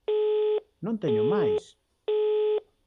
Non teño máis!